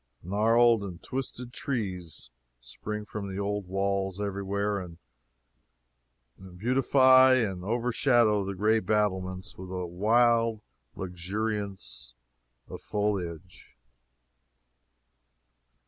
Gnarled and twisted trees spring from the old walls every where, and beautify and overshadow the gray battlements with a wild luxuriance of foliage.